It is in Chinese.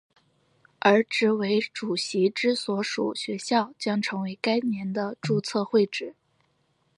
而执委主席之所属学校将成为该年的注册会址。